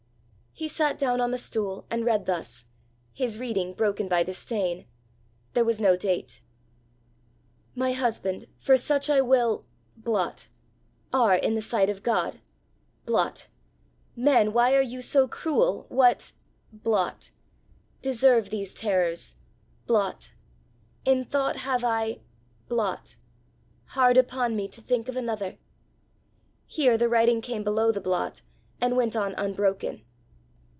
He sat down on the stool, and read thus his reading broken by the stain: there was no date: "My husband for such I will blot are in the sight of God blot men why are you so cruel what blot deserve these terrors blot in thought have I blot hard upon me to think of another." Here the writing came below the blot, and went on unbroken.